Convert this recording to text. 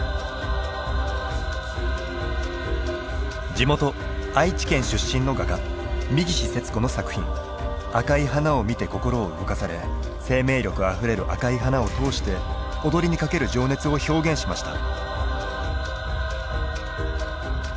地元愛知県出身の画家三岸節子の作品「赤い花」を見て心を動かされ生命力あふれる赤い花を通して踊りにかける情熱を表現しました。